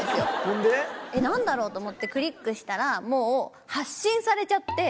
ほんで？って思ってクリックしたらもう発信されちゃって。